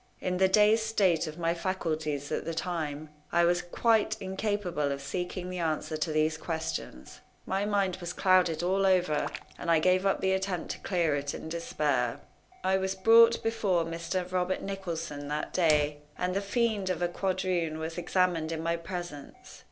In the dazed state of my faculties at that time, I was quite incapable of seeking the answer to these questions. My mind was clouded all over, and I gave up the attempt to clear it in despair. I was brought before Mr. Robert Nicholson that day, and the fiend of a quadroon was examined in my presence.